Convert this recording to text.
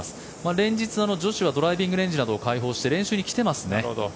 連日、女子はドライビングレンジなどを開放して練習に来てますね。